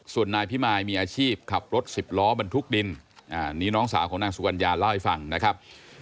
ส่วนนายพิมายมีอาชีพขับรถสิบล้อบรรทุกดินนี่น้องสาวของนางสุกัญญาเล่าให้ฟังนะครับ